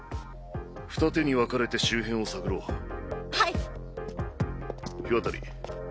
ふた手に分かれて周辺を探ろはい火渡